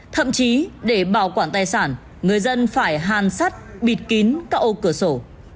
thậm chí để bảo quản tài sản người dân phải hàn sắt bịt kín cạo cửa sổ